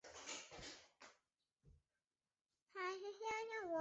蓝德尔星孔珊瑚为轴孔珊瑚科星孔珊瑚下的一个种。